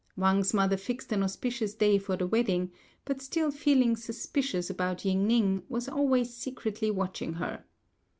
Wang's mother fixed an auspicious day for the wedding, but still feeling suspicious about Ying ning, was always secretly watching her.